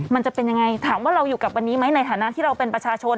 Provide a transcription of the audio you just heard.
มันจะเป็นยังไงถามว่าเราอยู่กับวันนี้ไหมในฐานะที่เราเป็นประชาชน